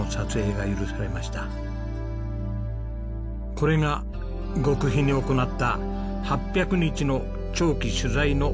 これが極秘に行った８００日の長期取材の始まり。